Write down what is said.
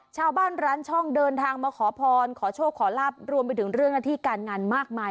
ชาวบ้านร้านช่องเดินทางมาขอพรขอโชคขอลาบรวมไปถึงเรื่องหน้าที่การงานมากมาย